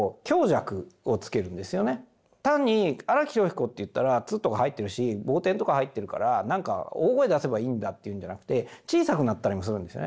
単に荒木飛呂彦といったら「ッ」とか入ってるし傍点とか入ってるから何か大声出せばいいんだっていうんじゃなくて小さくなったりもするんですよね。